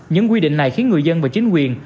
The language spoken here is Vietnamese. những quy định này khiến người dân và chính quyền